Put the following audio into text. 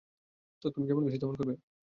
তো তুমি যেমন খুশি তেমন করবে?